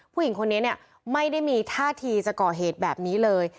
ผู้หญิงคนนี้เนี่ยไม่ได้มีท่าทีจะก่อเหตุแบบนี้เลย